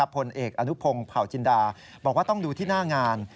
ผลเอกอนุพงศ์เผาจินดาบอกว่าต้องดูที่หน้างาน